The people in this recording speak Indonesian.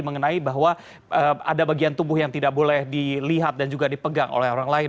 mengenai bahwa ada bagian tubuh yang tidak boleh dilihat dan juga dipegang oleh orang lain